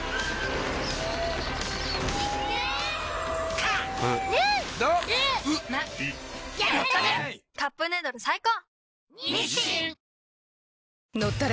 「カップヌードル」最高！